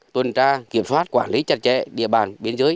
tuần tra kiểm soát quản lý chặt chẽ địa bàn biên giới